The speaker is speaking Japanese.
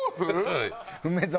はい。